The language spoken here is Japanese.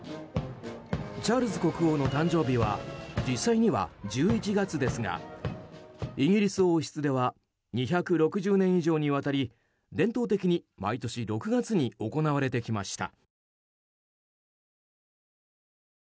チャールズ国王の誕生日は実際には１１月ですがイギリス王室では２６０年以上にわたり伝統的に毎年６月に行われてきました。